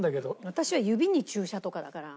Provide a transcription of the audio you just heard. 私は指に注射とかだから。